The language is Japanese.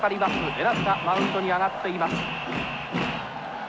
江夏がマウンドに上がっています。